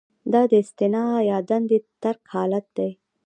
دا د استعفا یا دندې د ترک حالت دی.